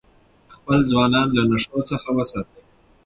خپل ځوانان له نشو څخه وساتئ.